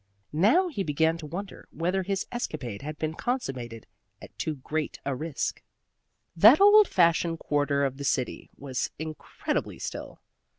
Now he began to wonder whether his escapade had been consummated at too great a risk. That old fashioned quarter of the city was incredibly still.